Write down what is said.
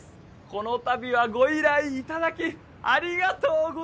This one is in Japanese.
この度はご依頼頂きありがとうございます！